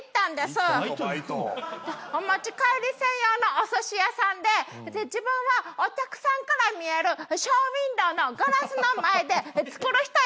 お持ち帰り専用のおすし屋さんで自分はお客さんから見えるショーウインドーのガラスの前で作る人やったんです。